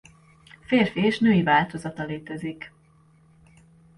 Férfi és női változata létezik.